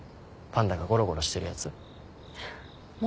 パンダがゴロゴロしてるやつ。